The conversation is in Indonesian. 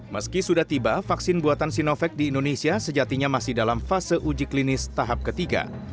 meski sudah tiba vaksin buatan sinovac di indonesia sejatinya masih dalam fase uji klinis tahap ketiga